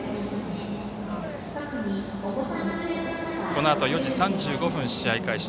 このあと４時３５分試合開始。